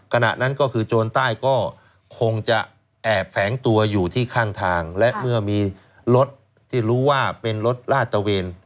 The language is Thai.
ขณะนั้นก็คือโจรใต้ก็คงจะแอบแฝงตัวอยู่ที่ข้างทางและเมื่อมีรถที่รู้ว่าเป็นรถลาดตะเวน